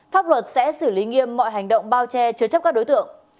pháp luật sẽ xử lý nghiêm mọi hành động bao che chứa chấp các đối tượng